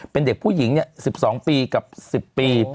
เป็นเด็กผู้หญิง๑๒ปีกับ๑๐ปี